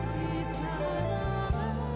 di selamu sesuai